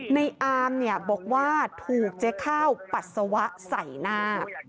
ในอามเนี่ยบอกว่าถูกเจ๊ข้าวปัสสาวะใส่หน้า